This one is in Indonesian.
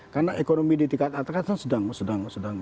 karena ekonomi di tingkat atas sedang